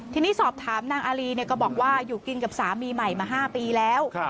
ทีนี้สอบถามนางอารีก็บอกว่าอยู่กินกับสามีใหม่มา๕ปีแล้ว